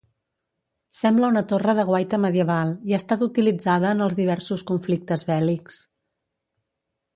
Sembla una torre de guaita medieval i ha estat utilitzada en els diversos conflictes bèl·lics.